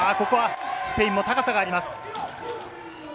スペインも高さがあります。